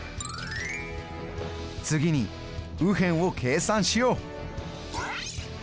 次に右辺を計算しよう。